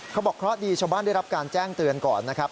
เคราะห์ดีชาวบ้านได้รับการแจ้งเตือนก่อนนะครับ